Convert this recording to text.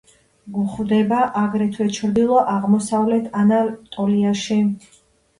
გვხვდება აგრეთვე ჩრდილო-აღმოსავლეთ ანატოლიაში.